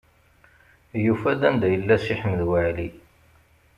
Yufa-d anda yella Si Ḥmed Waɛli.